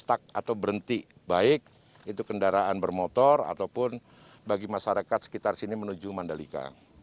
tidak berhenti baik itu kendaraan bermotor ataupun bagi masyarakat sekitar sini menuju mandalika